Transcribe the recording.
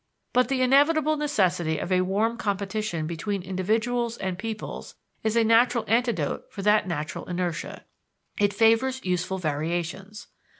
But the inevitable necessity of a warm competition between individuals and peoples is a natural antidote for that natural inertia; it favors useful variations.